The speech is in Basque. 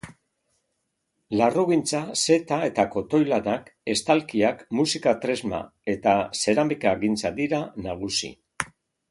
Larrugintza, zeta eta kotoi-lanak, estalkiak, musika-tresna eta zeramikagintza dira nagusi.